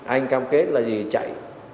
anh cam kết là gì chạy